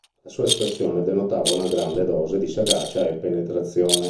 La sua espressione denotava una grande dose di sagacia e penetrazione.